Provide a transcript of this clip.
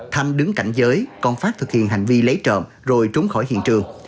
thành đứng cạnh giới còn phát thực hiện hành vi lấy trộm rồi trốn khỏi hiện trường